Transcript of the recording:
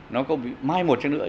nó có mai một chút nữa